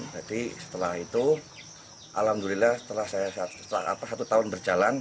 jadi setelah itu alhamdulillah setelah satu tahun berjalan